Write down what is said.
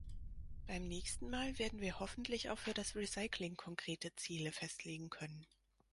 Beim nächsten Mal werden wir hoffentlich auch für das Recycling konkrete Ziele festlegen können.